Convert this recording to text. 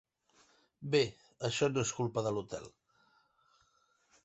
Bé, això no és culpa de l'hotel.